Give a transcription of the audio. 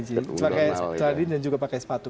cuma pakai celana dan juga pakai sepatu